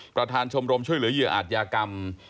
ประธานชมรมช่วยเหลือเหยื่ออาจยากรรม